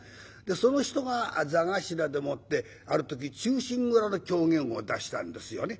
その人が座頭でもってある時「忠臣蔵」の狂言を出したんですよね。